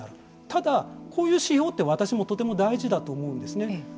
ただ、こういう指標って私もとても大事だと思うんですよね。